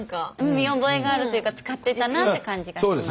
見覚えがあるというか使ってたなって感じがします。